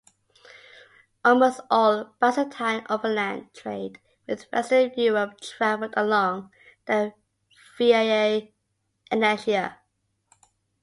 Almost all Byzantine overland trade with western Europe traveled along the Via Egnatia.